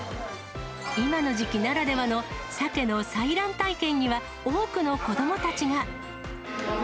今の時期ならではのサケの採卵体験には、多くの子どもたちが。